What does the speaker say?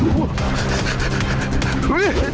โอ๊ยโอ๊ย